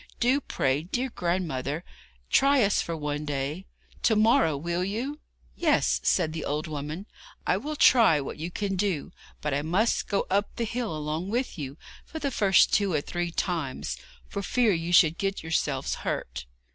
Do, pray, dear grandmother, try us for one day to morrow will you?' 'Yes,' said the old woman, 'I will try what you can do; but I must go up the hill along with you for the first two or three times, for fear you should get yourselves hurt.'